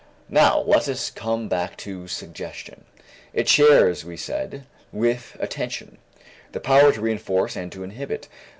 Now let us come back to suggestion. It shares, we said, with attention, the power to reënforce and to inhibit.